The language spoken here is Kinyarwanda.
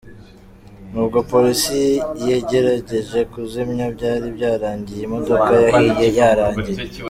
N'ubwo Polisi yagerageje kuzimya, byari byarangiye imodoka yahiye yarangiye.